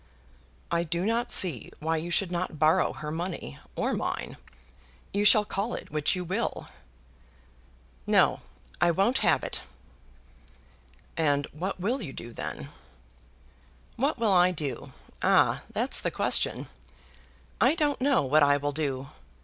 "I do not see why you should not borrow her money, or mine. You shall call it which you will." "No; I won't have it." "And what will you do then?" "What will I do? Ah! That's the question. I don't know what I will do.